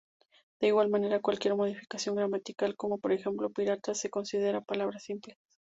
De igual manera, cualquier modificación gramatical, como por ejemplo "piratas", se considera palabra simple.